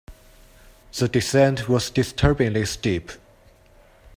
The descent was disturbingly steep.